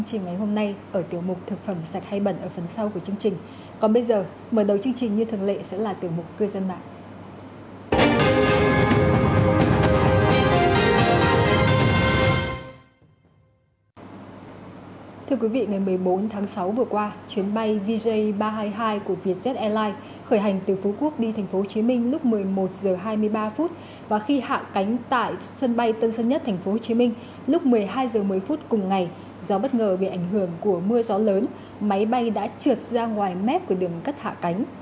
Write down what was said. thưa quý vị ngày một mươi bốn tháng sáu vừa qua chuyến bay vj ba trăm hai mươi hai của vietjet airlines khởi hành từ phú quốc đi tp hcm lúc một mươi một h hai mươi ba và khi hạ cánh tại sân bay tân sơn nhất tp hcm lúc một mươi hai h một mươi cùng ngày do bất ngờ bị ảnh hưởng của mưa gió lớn máy bay đã trượt ra ngoài mép của đường cất hạ cánh